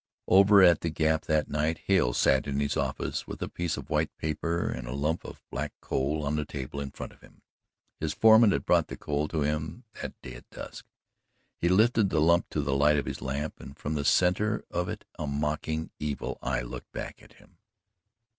Over at the Gap that night Hale sat in his office with a piece of white paper and a lump of black coal on the table in front of him. His foreman had brought the coal to him that day at dusk. He lifted the lump to the light of his lamp, and from the centre of it a mocking evil eye leered back at him.